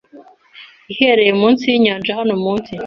iherereye munsi yinyanja Hano munsi